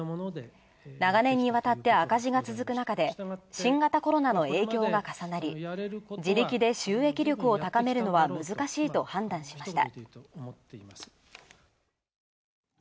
長年にわたって赤字が続く中で新型コロナの影響が重なり、自力で収益力を高めるのは難しいと判断しました。